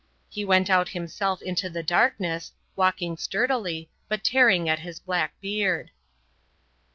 He went out himself into the darkness, walking sturdily, but tearing at his black beard.